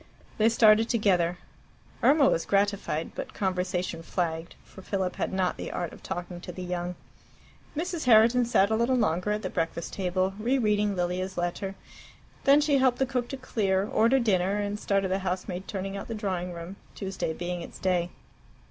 They started together. Irma was gratified; but conversation flagged, for Philip had not the art of talking to the young. Mrs. Herriton sat a little longer at the breakfast table, re reading Lilia's letter. Then she helped the cook to clear, ordered dinner, and started the housemaid turning out the drawing room, Tuesday being its day.